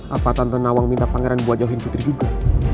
apa tante nawang minta pangeran buat jauhin putri juga